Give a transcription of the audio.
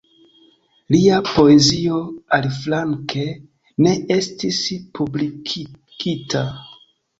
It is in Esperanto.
Lia poezio, aliflanke, ne estis publikigita.